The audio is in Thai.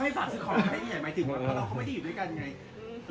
ฝากซื้อของมาได้ไงหมายถึงว่าเราก็ไม่ได้อยู่ด้วยกันไง